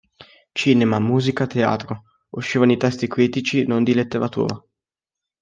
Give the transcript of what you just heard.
Cinema, musica, teatro", uscirono i testi critici non di letteratura.